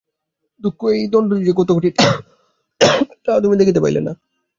দুঃখ এই, দণ্ডটি যে কত কঠিন, তাহা তুমি দেখিতে পাইলে না।